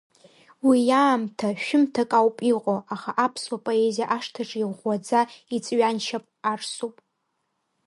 Уи иаамҭа шәымҭак ауп иҟоу, аха аԥсуа поезиа ашҭаҿы иӷәӷәаӡа иҵәҩаншьап арсуп.